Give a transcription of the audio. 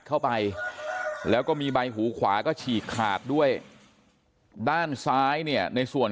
เข้าไปแล้วก็มีใบหูขวาก็ฉีกขาดด้วยด้านซ้ายเนี่ยในส่วน